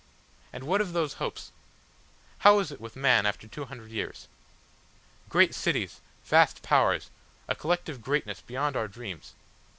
And what of those hopes? How is it with man after two hundred years? "Great cities, vast powers, a collective greatness beyond our dreams.